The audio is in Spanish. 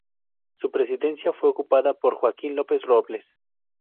Su presidencia fue ocupada por Joaquín López Robles.